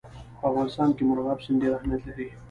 په افغانستان کې مورغاب سیند ډېر اهمیت لري.